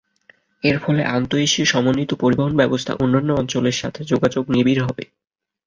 এর ফলে আন্তঃএশীয় সমন্বিত পরিবহণ ব্যবস্থা অন্যান্য অঞ্চলের সাথে যোগাযোগ নিবিড় হবে।